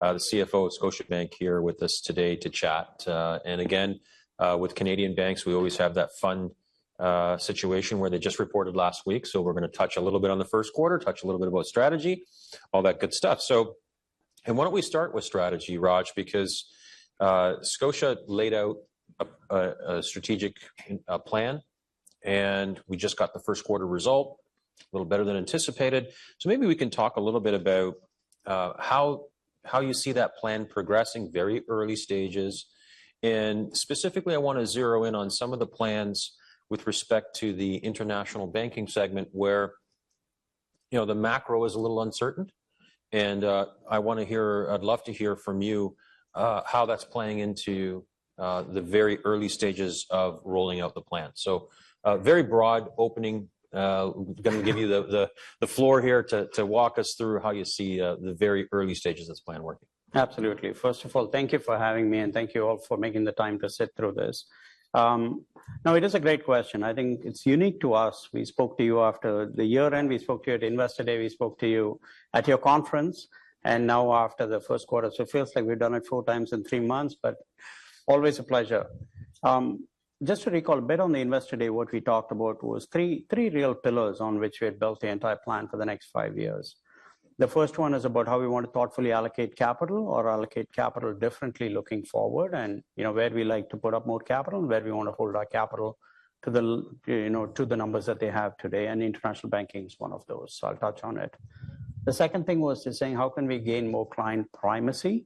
The CFO of Scotiabank here with us today to chat. And again, with Canadian banks, we always have that fun situation where they just reported last week, so we're going to touch a little bit on the first quarter, touch a little bit about strategy, all that good stuff. And why don't we start with strategy, Raj, because Scotia laid out a strategic plan, and we just got the first quarter result, a little better than anticipated. So maybe we can talk a little bit about how you see that plan progressing, very early stages. And specifically, I want to zero in on some of the plans with respect to the international banking segment where the macro is a little uncertain. And I'd love to hear from you how that's playing into the very early stages of rolling out the plan. So very broad opening. I'm going to give you the floor here to walk us through how you see the very early stages of this plan working. Absolutely. First of all, thank you for having me, and thank you all for making the time to sit through this. Now, it is a great question. I think it's unique to us. We spoke to you after the year-end. We spoke to you at Investor Day. We spoke to you at your conference. And now after the first quarter, so it feels like we've done it four times in three months, but always a pleasure. Just to recall a bit on the Investor Day, what we talked about was three real pillars on which we had built the entire plan for the next five years. The first one is about how we want to thoughtfully allocate capital or allocate capital differently looking forward and where we like to put up more capital and where we want to hold our capital to the numbers that they have today. International banking is one of those, so I'll touch on it. The second thing was just saying, how can we gain more client primacy,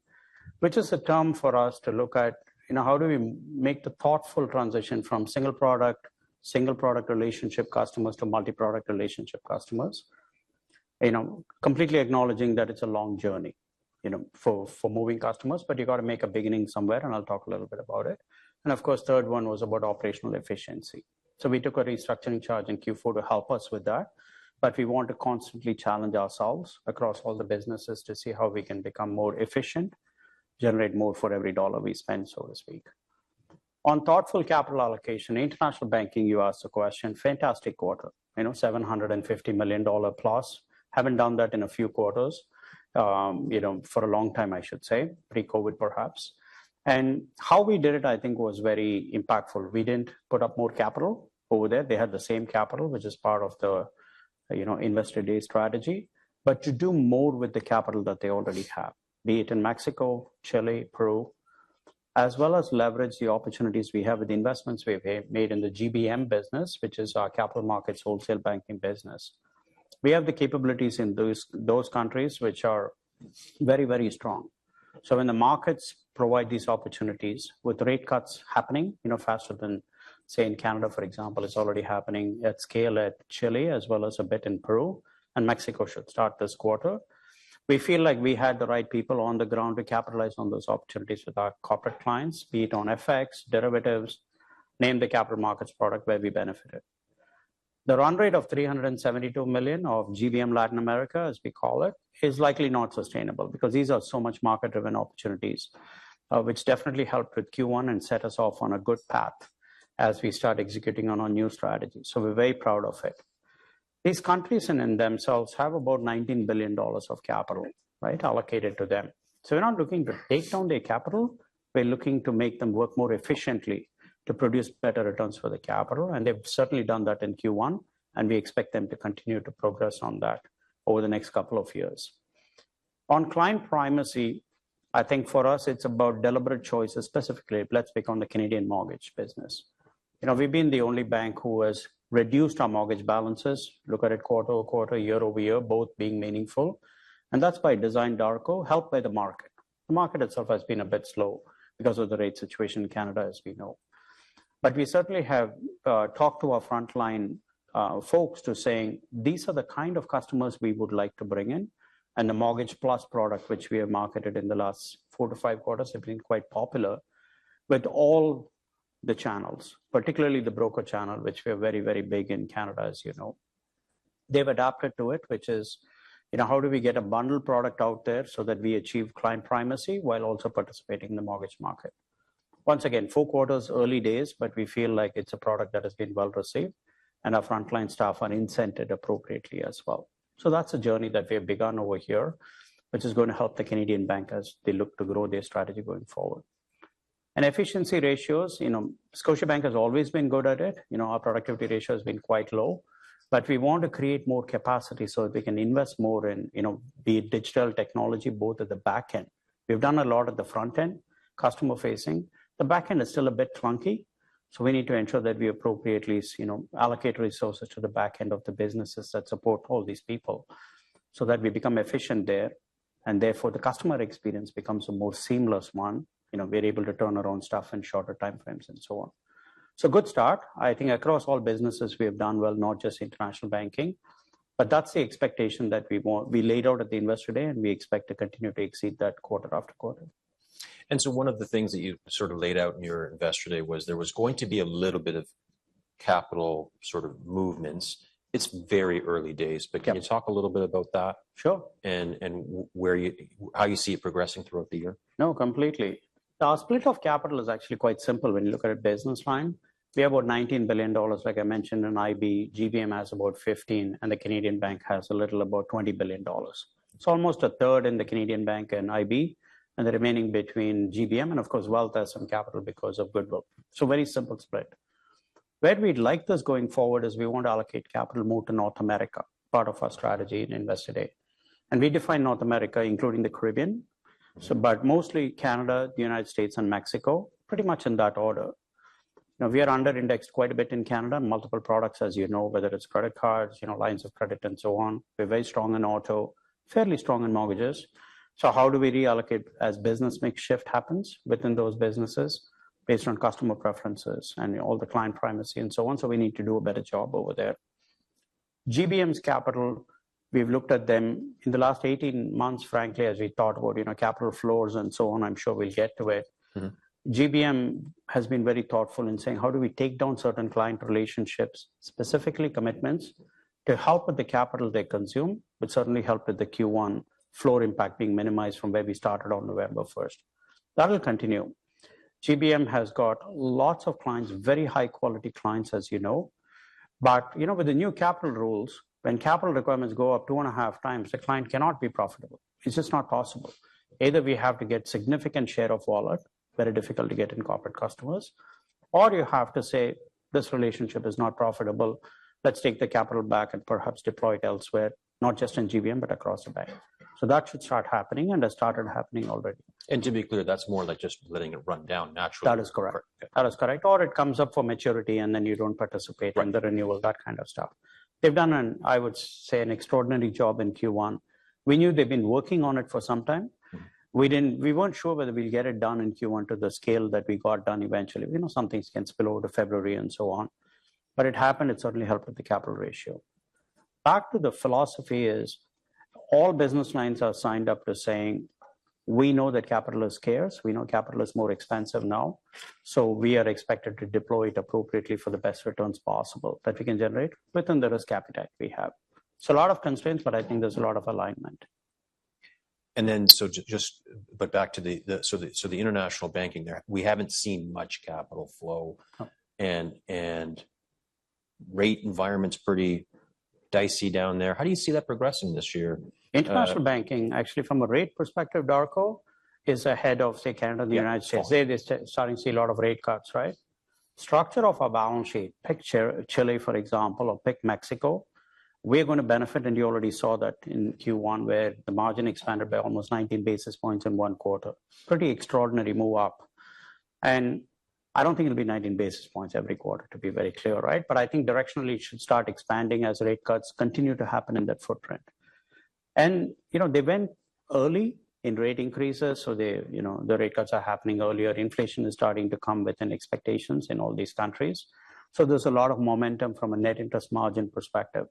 which is a term for us to look at how do we make the thoughtful transition from single product, single product relationship customers to multi-product relationship customers, completely acknowledging that it's a long journey for moving customers, but you've got to make a beginning somewhere, and I'll talk a little bit about it. Of course, third one was about operational efficiency. So we took a restructuring charge in Q4 to help us with that. We want to constantly challenge ourselves across all the businesses to see how we can become more efficient, generate more for every dollar we spend, so to speak. On thoughtful capital allocation, international banking, you asked the question, fantastic quarter, 750 million dollar plus. Haven't done that in a few quarters for a long time, I should say, pre-COVID perhaps. And how we did it, I think, was very impactful. We didn't put up more capital over there. They had the same capital, which is part of the Investor Day strategy, but to do more with the capital that they already have, be it in Mexico, Chile, Peru, as well as leverage the opportunities we have with the investments we've made in the GBM business, which is our capital markets wholesale banking business. We have the capabilities in those countries, which are very, very strong. So when the markets provide these opportunities with rate cuts happening faster than, say, in Canada, for example, it's already happening at scale at Chile, as well as a bit in Peru, and Mexico should start this quarter. We feel like we had the right people on the ground to capitalize on those opportunities with our corporate clients, be it on FX, derivatives, name the capital markets product where we benefited. The run rate of 372 million of GBM Latin America, as we call it, is likely not sustainable because these are so much market-driven opportunities, which definitely helped with Q1 and set us off on a good path as we start executing on our new strategy. So we're very proud of it. These countries in themselves have about 19 billion dollars of capital allocated to them. So we're not looking to take down their capital. We're looking to make them work more efficiently to produce better returns for the capital. And they've certainly done that in Q1, and we expect them to continue to progress on that over the next couple of years. On client primacy, I think for us, it's about deliberate choices, specifically, let's pick on the Canadian mortgage business. We've been the only bank who has reduced our mortgage balances, look at it quarter-over-quarter, year-over-year, both being meaningful. And that's by design, Darko, helped by the market. The market itself has been a bit slow because of the rate situation in Canada, as we know. But we certainly have talked to our frontline folks to saying, these are the kind of customers we would like to bring in. And the mortgage-plus product, which we have marketed in the last 4-5 quarters, has been quite popular with all the channels, particularly the broker channel, which we are very, very big in Canada, as you know. They've adapted to it, which is, how do we get a bundled product out there so that we achieve client primacy while also participating in the mortgage market? Once again, four quarters, early days, but we feel like it's a product that has been well received, and our frontline staff are incented appropriately as well. So that's a journey that we have begun over here, which is going to help the Canadian bank as they look to grow their strategy going forward. And efficiency ratios, Scotiabank has always been good at it. Our productivity ratio has been quite low. But we want to create more capacity so that we can invest more in digital technology, both at the back end. We've done a lot at the front end, customer-facing. The back end is still a bit clunky. We need to ensure that we appropriately allocate resources to the back end of the businesses that support all these people so that we become efficient there, and therefore the customer experience becomes a more seamless one. We're able to turn around stuff in shorter time frames and so on. So good start. I think across all businesses, we have done well, not just international banking. That's the expectation that we laid out at the Investor Day, and we expect to continue to exceed that quarter after quarter. And so one of the things that you sort of laid out in your Investor Day was there was going to be a little bit of capital sort of movements. It's very early days. But can you talk a little bit about that? Sure. How you see it progressing throughout the year? No, completely. Our split of capital is actually quite simple. When you look at it business line, we have about 19 billion dollars, like I mentioned, and IB, GBM has about 15 billion, and the Canadian bank has a little about 20 billion dollars. It's almost a third in the Canadian bank and IB, and the remaining between GBM and, of course, Wealth as some capital because of goodwill. So very simple split. Where we'd like this going forward is we want to allocate capital more to North America, part of our strategy in Investor Day. We define North America, including the Caribbean, but mostly Canada, the United States, and Mexico, pretty much in that order. We are under-indexed quite a bit in Canada, multiple products, as you know, whether it's credit cards, lines of credit, and so on. We're very strong in auto, fairly strong in mortgages. So how do we reallocate as business mix shift happens within those businesses based on customer preferences and all the client primacy and so on? So we need to do a better job over there. GBM's capital, we've looked at them in the last 18 months, frankly, as we thought about capital floors and so on. I'm sure we'll get to it. GBM has been very thoughtful in saying, how do we take down certain client relationships, specifically commitments, to help with the capital they consume, which certainly helped with the Q1 floor impact being minimized from where we started on November 1st. That will continue. GBM has got lots of clients, very high-quality clients, as you know. But with the new capital rules, when capital requirements go up 2.5 times, the client cannot be profitable. It's just not possible. Either we have to get a significant share of wallet, very difficult to get in corporate customers, or you have to say, this relationship is not profitable. Let's take the capital back and perhaps deploy it elsewhere, not just in GBM, but across the bank. So that should start happening, and it started happening already. To be clear, that's more like just letting it run down naturally. That is correct. That is correct. Or it comes up for maturity, and then you don't participate in the renewal, that kind of stuff. They've done, I would say, an extraordinary job in Q1. We knew they'd been working on it for some time. We weren't sure whether we'd get it done in Q1 to the scale that we got done eventually. Some things can spill over to February and so on. But it happened. It certainly helped with the capital ratio. Back to the philosophy, all business lines are signed up to saying, we know that capital is scarce. We know capital is more expensive now. So we are expected to deploy it appropriately for the best returns possible that we can generate within the risk appetite we have. So a lot of constraints, but I think there's a lot of alignment. But back to the international banking there, we haven't seen much capital flow. The rate environment's pretty dicey down there. How do you see that progressing this year? International banking, actually, from a rate perspective, Darko is ahead of, say, Canada and the United States. They're starting to see a lot of rate cuts, right? Structure of our balance sheet, pick Chile, for example, or pick Mexico, we're going to benefit, and you already saw that in Q1 where the margin expanded by almost 19 basis points in one quarter. Pretty extraordinary move up. And I don't think it'll be 19 basis points every quarter, to be very clear, right? But I think directionally it should start expanding as rate cuts continue to happen in that footprint. And they went early in rate increases, so the rate cuts are happening earlier. Inflation is starting to come within expectations in all these countries. So there's a lot of momentum from a net interest margin perspective.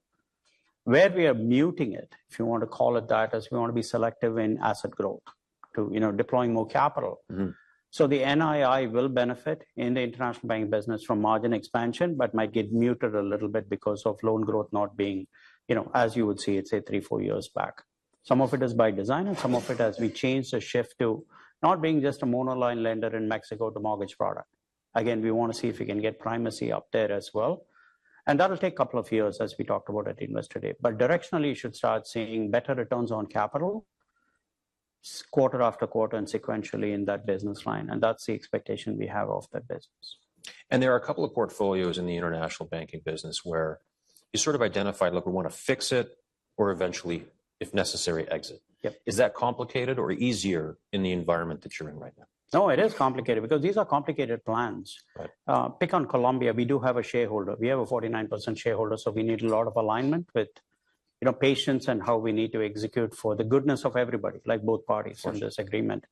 Where we are muting it, if you want to call it that, as we want to be selective in asset growth, deploying more capital. So the NII will benefit in the international banking business from margin expansion but might get muted a little bit because of loan growth not being, as you would see it, say, three, four years back. Some of it is by design, and some of it as we change the shift to not being just a monoline lender in Mexico to mortgage product. Again, we want to see if we can get primacy up there as well. And that'll take a couple of years, as we talked about at Investor Day. But directionally, you should start seeing better returns on capital quarter after quarter and sequentially in that business line. And that's the expectation we have of that business. There are a couple of portfolios in the international banking business where you sort of identified, look, we want to fix it or eventually, if necessary, exit. Is that complicated or easier in the environment that you're in right now? No, it is complicated because these are complicated plans. Pick on Colombia. We do have a shareholder. We have a 49% shareholder, so we need a lot of alignment with patience and how we need to execute for the goodness of everybody, like both parties in this agreement.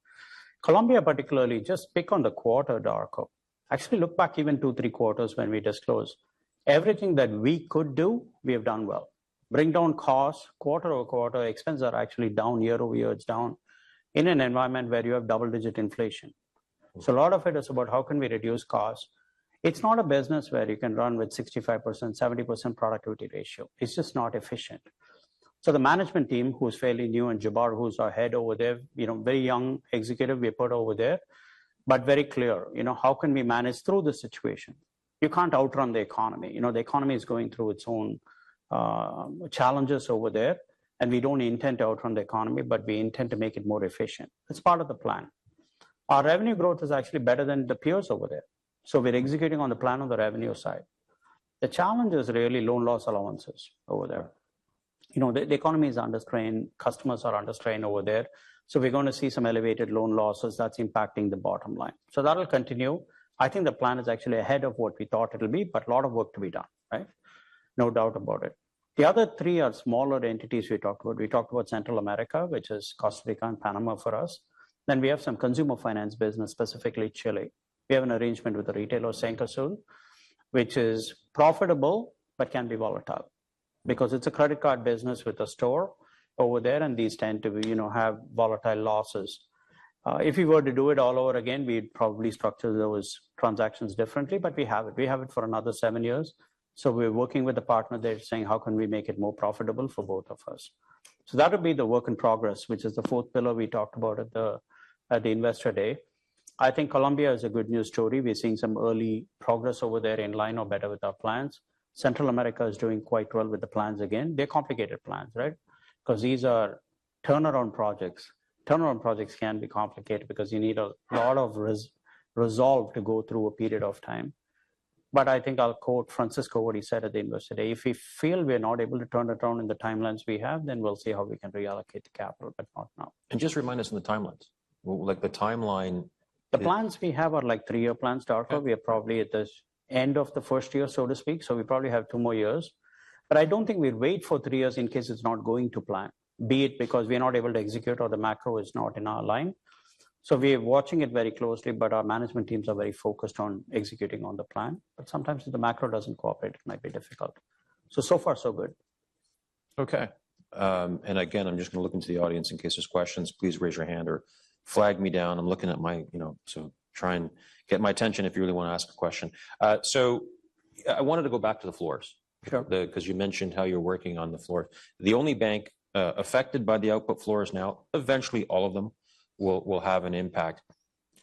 Colombia, particularly, just pick on the quarter, Darko. Actually, look back even two, three quarters when we disclose. Everything that we could do, we have done well. Bring down costs quarter-over-quarter. Expenses are actually down year-over-year. It's down in an environment where you have double-digit inflation. So a lot of it is about how can we reduce costs. It's not a business where you can run with 65%, 70% productivity ratio. It's just not efficient. So the management team, who's fairly new, and Jabar, who's our head over there, very young executive we put over there, but very clear, how can we manage through the situation? You can't outrun the economy. The economy is going through its own challenges over there, and we don't intend to outrun the economy, but we intend to make it more efficient. It's part of the plan. Our revenue growth is actually better than the peers over there. So we're executing on the plan on the revenue side. The challenge is really loan loss allowances over there. The economy is under strain. Customers are under strain over there. So we're going to see some elevated loan losses. That's impacting the bottom line. So that'll continue. I think the plan is actually ahead of what we thought it'll be, but a lot of work to be done, right? No doubt about it. The other three are smaller entities we talked about. We talked about Central America, which is Costa Rica and Panama for us. Then we have some consumer finance business, specifically Chile. We have an arrangement with a retailer, Cencosud, which is profitable but can be volatile because it's a credit card business with a store over there, and these tend to have volatile losses. If we were to do it all over again, we'd probably structure those transactions differently, but we have it. We have it for another seven years. So we're working with a partner there saying, how can we make it more profitable for both of us? So that'll be the work in progress, which is the fourth pillar we talked about at the Investor Day. I think Colombia is a good news story. We're seeing some early progress over there in line or better with our plans. Central America is doing quite well with the plans again. They're complicated plans, right? Because these are turnaround projects. Turnaround projects can be complicated because you need a lot of resolve to go through a period of time. But I think I'll quote Francisco, what he said at the Investor Day. If we feel we're not able to turn it around in the timelines we have, then we'll see how we can reallocate the capital, but not now. Just remind us of the timelines. The timeline. The plans we have are like 3-year plans, Darko. We are probably at the end of the first year, so to speak. So we probably have two more years. But I don't think we'd wait for three years in case it's not going to plan, be it because we're not able to execute or the macro is not in our line. So we're watching it very closely, but our management teams are very focused on executing on the plan. But sometimes if the macro doesn't cooperate, it might be difficult. So far, so good. Okay. And again, I'm just going to look into the audience in case there's questions. Please raise your hand or flag me down. I'm looking at my to try and get my attention if you really want to ask a question. So I wanted to go back to the floors because you mentioned how you're working on the floors. The only bank affected by the output floors now, eventually all of them will have an impact.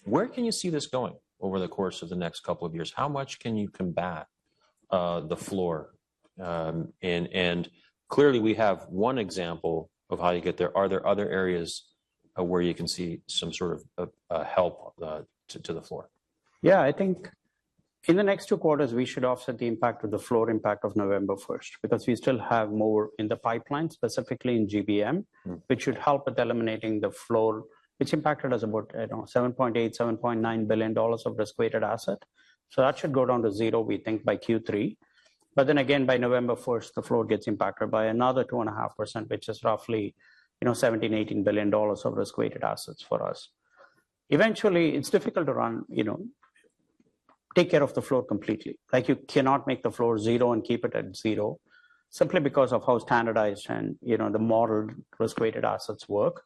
Where can you see this going over the course of the next couple of years? How much can you combat the floor? And clearly, we have one example of how you get there. Are there other areas where you can see some sort of help to the floor? Yeah. I think in the next two quarters, we should offset the impact of the floor impact of November 1st because we still have more in the pipeline, specifically in GBM, which should help with eliminating the floor, which impacted us about 7.8-7.9 billion dollars of risk-weighted asset. So that should go down to zero, we think, by Q3. But then again, by November 1st, the floor gets impacted by another 2.5%, which is roughly 17-18 billion dollars of risk-weighted assets for us. Eventually, it's difficult to take care of the floor completely. You cannot make the floor zero and keep it at zero simply because of how standardized and the model risk-weighted assets work.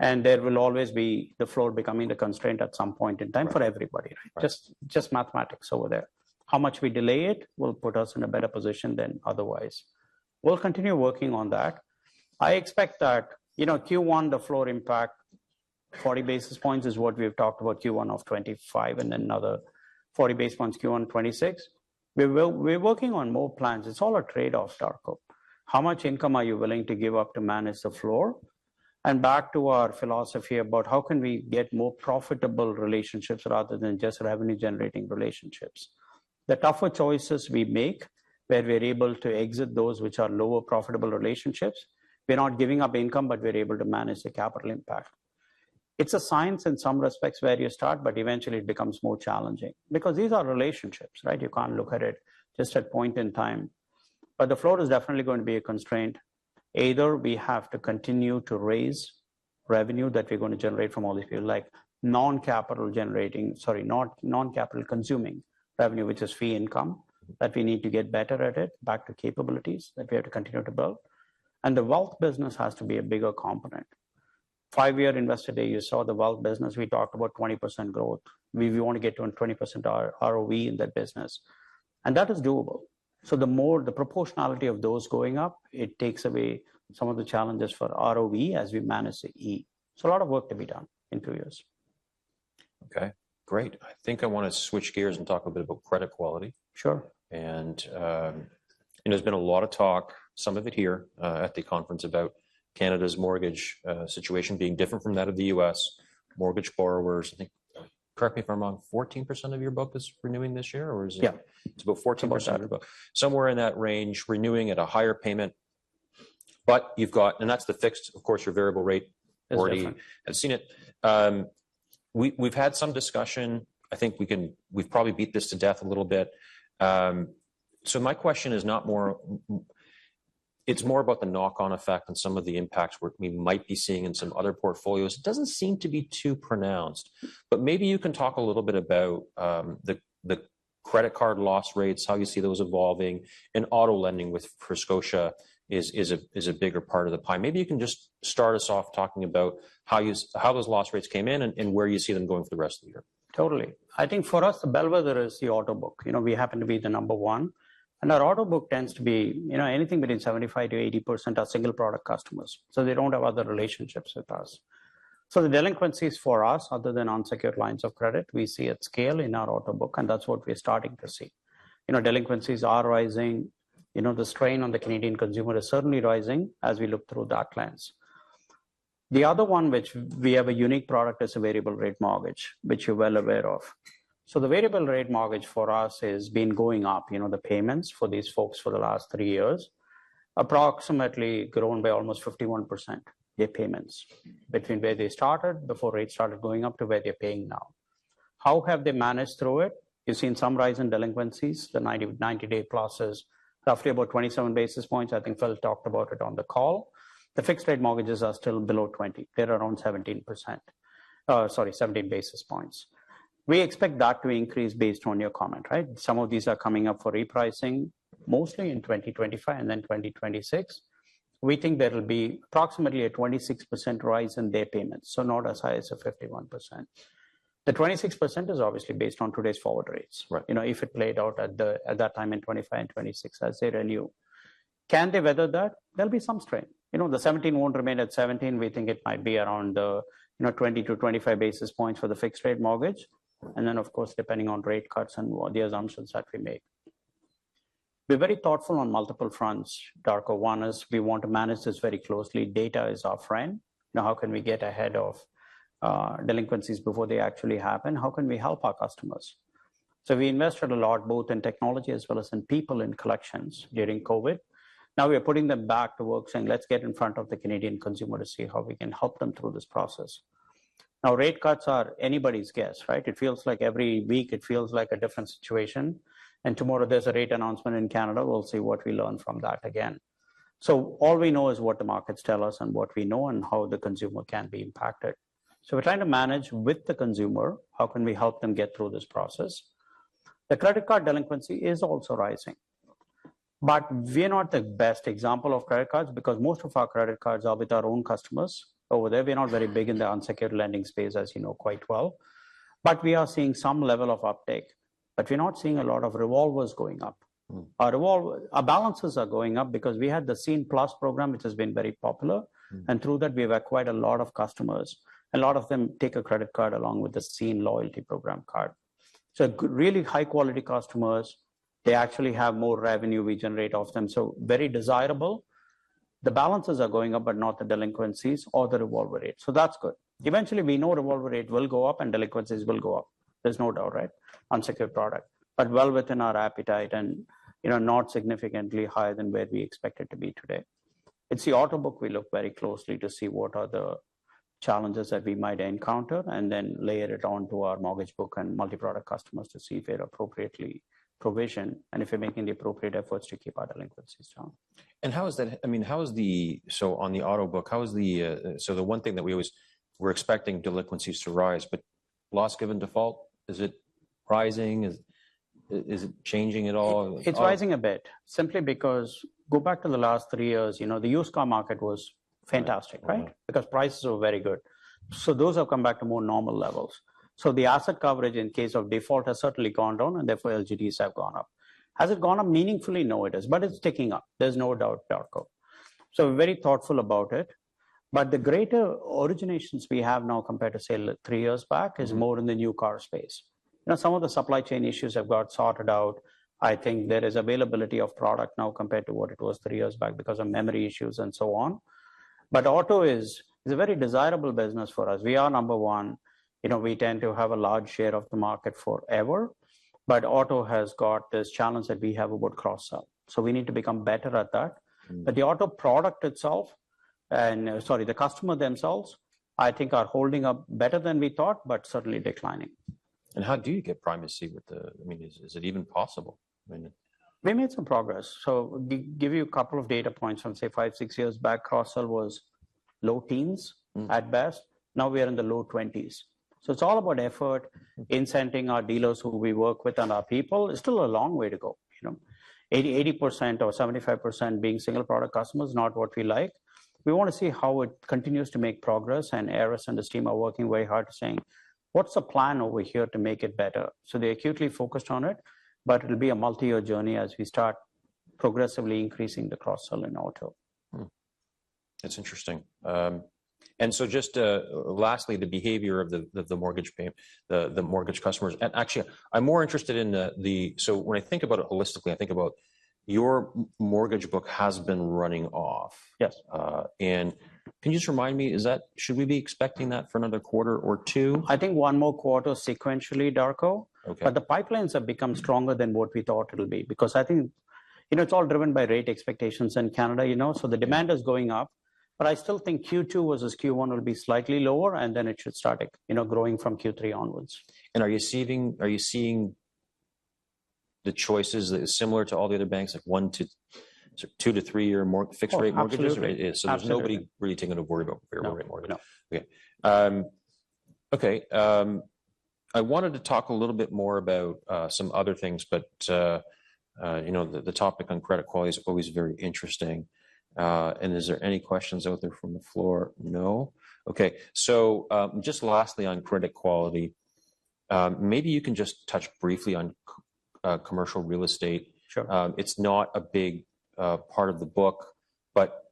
And there will always be the floor becoming a constraint at some point in time for everybody, right? Just mathematics over there. How much we delay it will put us in a better position than otherwise. We'll continue working on that. I expect that Q1, the floor impact, 40 basis points is what we've talked about, Q1 of 2025 and then another 40 basis points, Q1 of 2026. We're working on more plans. It's all a trade-off, Darko. How much income are you willing to give up to manage the floor? And back to our philosophy about how can we get more profitable relationships rather than just revenue-generating relationships? The tougher choices we make where we're able to exit those which are lower profitable relationships, we're not giving up income, but we're able to manage the capital impact. It's a science in some respects where you start, but eventually, it becomes more challenging because these are relationships, right? You can't look at it just at point in time. But the floor is definitely going to be a constraint. Either we have to continue to raise revenue that we're going to generate from all these people, like non-capital-generating sorry, non-capital-consuming revenue, which is fee income, that we need to get better at it, back to capabilities that we have to continue to build. And the wealth business has to be a bigger component. Five-year Investor Day, you saw the wealth business. We talked about 20% growth. We want to get to 20% ROE in that business. And that is doable. So the proportionality of those going up, it takes away some of the challenges for ROE as we manage the E. So a lot of work to be done in two years. Okay. Great. I think I want to switch gears and talk a bit about credit quality. There's been a lot of talk, some of it here at the conference, about Canada's mortgage situation being different from that of the U.S., mortgage borrowers. I think, correct me if I'm wrong, 14% of your book is renewing this year, or is it? Yeah. It's about 14% of your book. Somewhere in that range, renewing at a higher payment. But you've got and that's the fixed. Of course, your variable rate, Gordy. It's different. I've seen it. We've had some discussion. I think we've probably beat this to death a little bit. So my question is not more, it's more about the knock-on effect and some of the impacts we might be seeing in some other portfolios. It doesn't seem to be too pronounced. But maybe you can talk a little bit about the credit card loss rates, how you see those evolving, and auto lending with Scotia is a bigger part of the pie. Maybe you can just start us off talking about how those loss rates came in and where you see them going for the rest of the year. Totally. I think for us, the bellwether is the auto book. We happen to be the number one. And our auto book tends to be anything between 75%-80% are single-product customers. So they don't have other relationships with us. So the delinquencies for us, other than unsecured lines of credit, we see at scale in our auto book, and that's what we're starting to see. Delinquencies are rising. The strain on the Canadian consumer is certainly rising as we look through that lens. The other one, which we have a unique product, is a variable-rate mortgage, which you're well aware of. So the variable-rate mortgage for us has been going up, the payments for these folks for the last three years, approximately grown by almost 51%, their payments, between where they started before rates started going up to where they're paying now. How have they managed through it? You've seen some rise in delinquencies, the 90-day pluses, roughly about 27 basis points. I think Phil talked about it on the call. The fixed-rate mortgages are still below 20. They're around 17% sorry, 17 basis points. We expect that to increase based on your comment, right? Some of these are coming up for repricing, mostly in 2025 and then 2026. We think there'll be approximately a 26% rise in their payments, so not as high as a 51%. The 26% is obviously based on today's forward rates, right? If it played out at that time in 2025 and 2026 as they renew, can they weather that? There'll be some strain. The 17 won't remain at 17. We think it might be around the 20-25 basis points for the fixed-rate mortgage. And then, of course, depending on rate cuts and the assumptions that we make. We're very thoughtful on multiple fronts. Darko, one is we want to manage this very closely. Data is our friend. How can we get ahead of delinquencies before they actually happen? How can we help our customers? So we invested a lot, both in technology as well as in people in collections during COVID. Now we are putting them back to work saying, "Let's get in front of the Canadian consumer to see how we can help them through this process." Now, rate cuts are anybody's guess, right? It feels like every week, it feels like a different situation. And tomorrow, there's a rate announcement in Canada. We'll see what we learn from that again. So all we know is what the markets tell us and what we know and how the consumer can be impacted. So we're trying to manage with the consumer, how can we help them get through this process? The credit card delinquency is also rising. But we're not the best example of credit cards because most of our credit cards are with our own customers over there. We're not very big in the unsecured lending space, as you know, quite well. But we are seeing some level of uptake. But we're not seeing a lot of revolvers going up. Our balances are going up because we had the Scene+ program, which has been very popular. And through that, we've acquired a lot of customers. A lot of them take a credit card along with the Scene+ loyalty program card. So really high-quality customers. They actually have more revenue we generate off them, so very desirable. The balances are going up, but not the delinquencies or the revolver rate. So that's good. Eventually, we know revolver rate will go up and delinquencies will go up. There's no doubt, right? Unsecured product, but well within our appetite and not significantly higher than where we expect it to be today. It's the auto book we look very closely to see what are the challenges that we might encounter and then layer it onto our mortgage book and multi-product customers to see if they're appropriately provisioned and if we're making the appropriate efforts to keep our delinquencies down. How is that? I mean, how is the auto book? So, the one thing that we always were expecting delinquencies to rise, but loss given default—is it rising? Is it changing at all? It's rising a bit simply because, go back to the last three years, the used car market was fantastic, right? Because prices were very good. So those have come back to more normal levels. So the asset coverage in case of default has certainly gone down, and therefore, LGDs have gone up. Has it gone up meaningfully? No, it is, but it's ticking up. There's no doubt, Darko. So we're very thoughtful about it. But the greater originations we have now compared to, say, three years back, is more in the new car space. Some of the supply chain issues have got sorted out. I think there is availability of product now compared to what it was three years back because of memory issues and so on. But auto is a very desirable business for us. We are number one. We tend to have a large share of the market forever. But auto has got this challenge that we have about cross-sell. So we need to become better at that. But the auto product itself and sorry, the customer themselves, I think, are holding up better than we thought, but certainly declining. How do you get primacy, I mean, is it even possible? I mean. We made some progress. So give you a couple of data points from, say, 5, 6 years back, cross-sell was low teens at best. Now we are in the low 20s. So it's all about effort incenting our dealers who we work with and our people. It's still a long way to go. 80% or 75% being single-product customers, not what we like. We want to see how it continues to make progress. And Aris and the team are working very hard saying, "What's the plan over here to make it better?" So they're acutely focused on it, but it'll be a multi-year journey as we start progressively increasing the cross-sell in auto. That's interesting. So just lastly, the behavior of the mortgage customers. Actually, I'm more interested in the so when I think about it holistically, I think about your mortgage book has been running off. And can you just remind me, should we be expecting that for another quarter or two? I think one more quarter sequentially, Darko. But the pipelines have become stronger than what we thought it'll be because I think it's all driven by rate expectations in Canada. So the demand is going up. But I still think Q2 versus Q1 will be slightly lower, and then it should start growing from Q3 onwards. Are you seeing the choices that are similar to all the other banks, like 2-3-year fixed-rate mortgages? Absolutely. There's nobody really taking to worry about variable-rate mortgages? No. Okay. Okay. I wanted to talk a little bit more about some other things, but the topic on credit quality is always very interesting. Is there any questions out there from the floor? No? Okay. So just lastly on credit quality, maybe you can just touch briefly on commercial real estate. It's not a big part of the book, but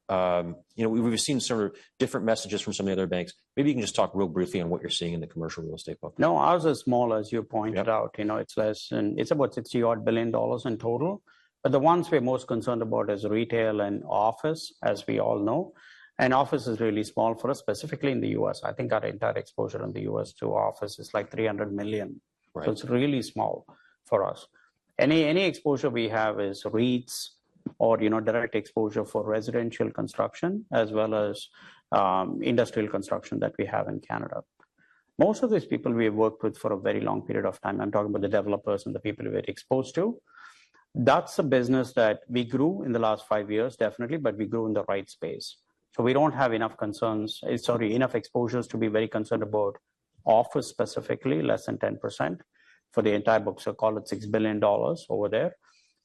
we've seen sort of different messages from some of the other banks. Maybe you can just talk real briefly on what you're seeing in the commercial real estate book. No. Ours is small, as you pointed out. It's about 60-odd billion dollars in total. But the ones we're most concerned about is retail and office, as we all know. And office is really small for us, specifically in the U.S. I think our entire exposure in the U.S. to office is like 300 million. So it's really small for us. Any exposure we have is REITs or direct exposure for residential construction as well as industrial construction that we have in Canada. Most of these people we have worked with for a very long period of time. I'm talking about the developers and the people we're exposed to. That's a business that we grew in the last five years, definitely, but we grew in the right space. So we don't have enough concerns sorry, enough exposures to be very concerned about office specifically, less than 10% for the entire book. So call it 6 billion dollars over there.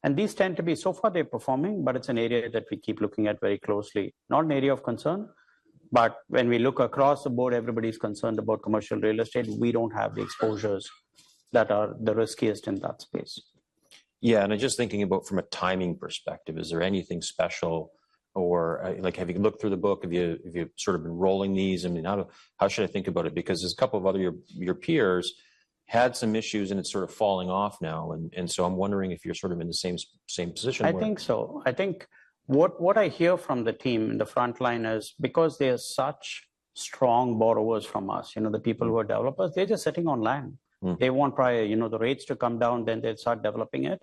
And these tend to be so far, they're performing, but it's an area that we keep looking at very closely, not an area of concern. But when we look across the board, everybody's concerned about commercial real estate. We don't have the exposures that are the riskiest in that space. Yeah. And I'm just thinking about from a timing perspective, is there anything special? Or have you looked through the book? Have you sort of been rolling these? I mean, how should I think about it? Because a couple of other of your peers had some issues, and it's sort of falling off now. And so I'm wondering if you're sort of in the same position. I think so. I think what I hear from the team in the front line is because there are such strong borrowers from us, the people who are developers, they're just sitting on land. They want the rates to come down, then they'll start developing it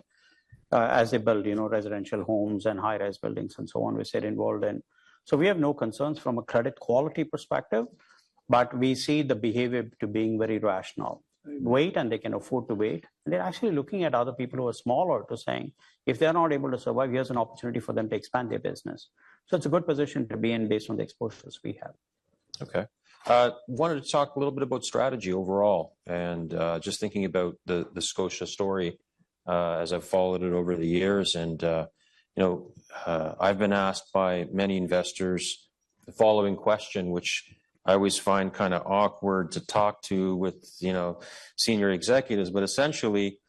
as they build residential homes and high-rise buildings and so on. We're still involved in so we have no concerns from a credit quality perspective, but we see the behavior to being very rational. Wait, and they can afford to wait. And they're actually looking at other people who are smaller to saying, "If they're not able to survive, here's an opportunity for them to expand their business." So it's a good position to be in based on the exposures we have. Okay. I wanted to talk a little bit about strategy overall and just thinking about the Scotia story as I've followed it over the years. I've been asked by many investors the following question, which I always find kind of awkward to talk to with senior executives. But essentially,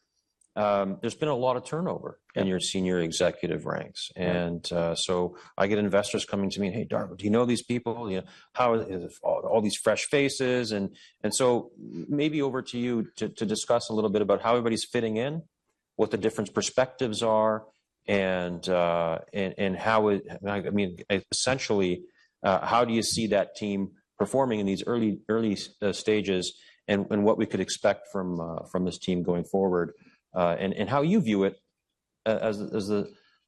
there's been a lot of turnover in your senior executive ranks. So I get investors coming to me and, "Hey, Darko, do you know these people? How are all these fresh faces?" So maybe over to you to discuss a little bit about how everybody's fitting in, what the different perspectives are, and how it I mean, essentially, how do you see that team performing in these early stages and what we could expect from this team going forward and how you view it as a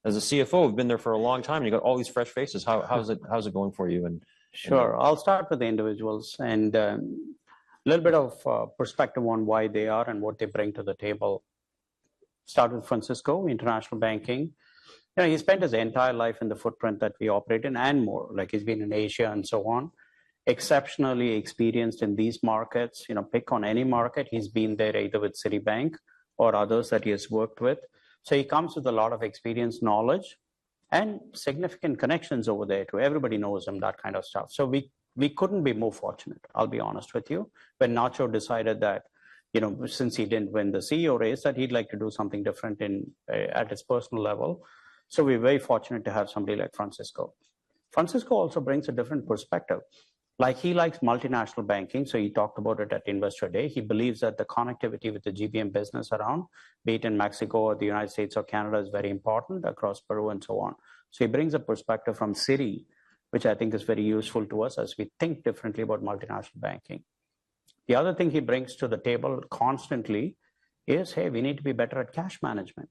CFO? You've been there for a long time, and you've got all these fresh faces. How's it going for you? Sure. I'll start with the individuals and a little bit of perspective on why they are and what they bring to the table. Start with Francisco, international banking. He spent his entire life in the footprint that we operate in and more. He's been in Asia and so on, exceptionally experienced in these markets. Pick on any market, he's been there either with Citibank or others that he has worked with. So he comes with a lot of experience, knowledge, and significant connections over there too. Everybody knows him, that kind of stuff. So we couldn't be more fortunate, I'll be honest with you, when Nacho decided that since he didn't win the CEO race, that he'd like to do something different at his personal level. So we're very fortunate to have somebody like Francisco. Francisco also brings a different perspective. He likes multinational banking, so he talked about it at Investor Day. He believes that the connectivity with the GBM business around, be it in Mexico or the United States or Canada, is very important across Peru and so on. So he brings a perspective from Citi, which I think is very useful to us as we think differently about multinational banking. The other thing he brings to the table constantly is, "Hey, we need to be better at cash management."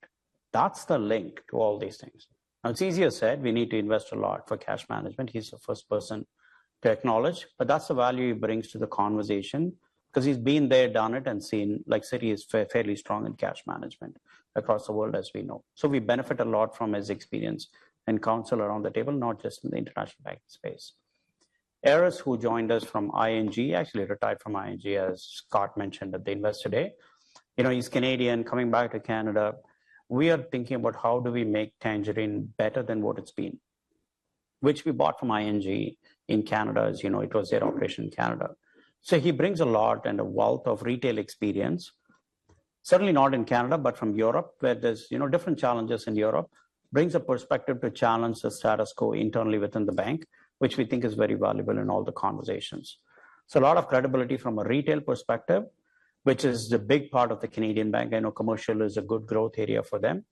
That's the link to all these things. Now, it's easier said. We need to invest a lot for cash management. He's the first person to acknowledge. But that's the value he brings to the conversation because he's been there, done it, and seen Citi is fairly strong in cash management across the world, as we know. So we benefit a lot from his experience and counsel around the table, not just in the international banking space. Aris, who joined us from ING, actually retired from ING, as Scott mentioned at the Investor Day. He's Canadian, coming back to Canada. We are thinking about how do we make Tangerine better than what it's been, which we bought from ING in Canada as it was their operation in Canada. So he brings a lot and a wealth of retail experience, certainly not in Canada, but from Europe, where there's different challenges in Europe, brings a perspective to challenge the status quo internally within the bank, which we think is very valuable in all the conversations. So a lot of credibility from a retail perspective, which is the big part of the Canadian bank. I know commercial is a good growth area for them,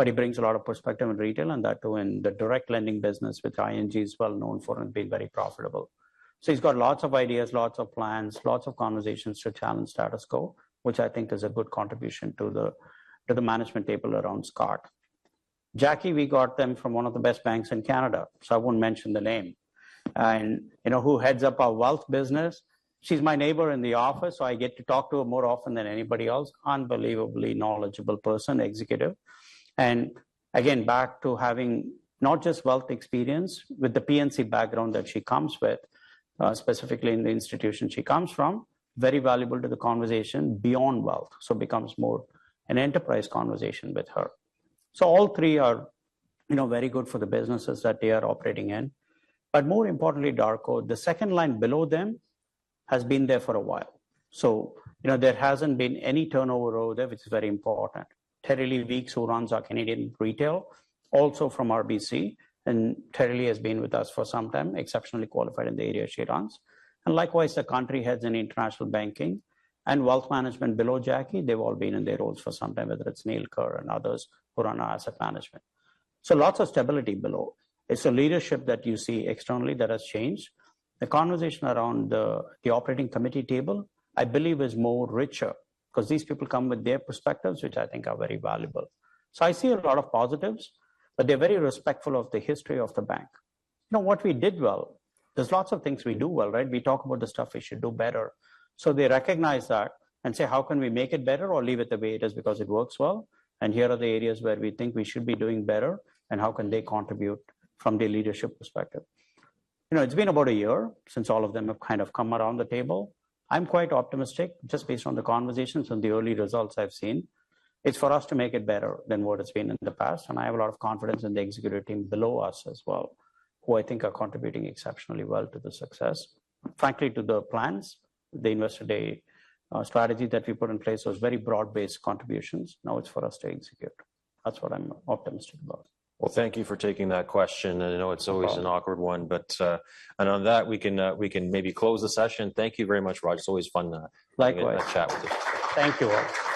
but he brings a lot of perspective in retail and that too in the direct lending business, which ING is well known for and being very profitable. So he's got lots of ideas, lots of plans, lots of conversations to challenge status quo, which I think is a good contribution to the management table around Scott. Jackie, we got them from one of the best banks in Canada, so I won't mention the name. And who heads up our wealth business? She's my neighbor in the office, so I get to talk to her more often than anybody else. Unbelievably knowledgeable person, executive. And again, back to having not just wealth experience with the P&C background that she comes with, specifically in the institution she comes from, very valuable to the conversation beyond wealth, so becomes more an enterprise conversation with her. So all three are very good for the businesses that they are operating in. But more importantly, Darko, the second line below them has been there for a while. So there hasn't been any turnover over there, which is very important. Terri-Lee Weeks, who runs our Canadian retail, also from RBC, and Terri-Lee has been with us for some time, exceptionally qualified in the area she runs. And likewise, the country heads in international banking and wealth management below Jackie, they've all been in their roles for some time, whether it's Neal Kerr and others who run our asset management. So lots of stability below. It's a leadership that you see externally that has changed. The conversation around the operating committee table, I believe, is more richer because these people come with their perspectives, which I think are very valuable. So I see a lot of positives, but they're very respectful of the history of the bank. What we did well, there's lots of things we do well, right? We talk about the stuff we should do better. So they recognize that and say, "How can we make it better or leave it the way it is because it works well? And here are the areas where we think we should be doing better, and how can they contribute from their leadership perspective?" It's been about a year since all of them have kind of come around the table. I'm quite optimistic just based on the conversations and the early results I've seen. It's for us to make it better than what it's been in the past. I have a lot of confidence in the executive team below us as well, who I think are contributing exceptionally well to the success, frankly, to the plans. The Investor Day strategy that we put in place was very broad-based contributions. Now it's for us to execute. That's what I'm optimistic about. Well, thank you for taking that question. I know it's always an awkward one. On that, we can maybe close the session. Thank you very much, Raj. It's always fun to chat with you. Likewise. Thank you all.